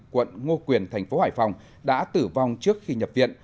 quận ngô quyền thành phố hải phòng đã tử vong trước khi nhập viện